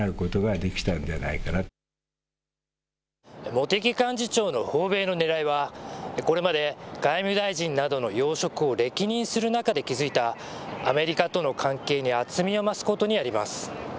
茂木幹事長の訪米のねらいはこれまで外務大臣などの要職を歴任する中で築いたアメリカとの関係に厚みを増すことにあります。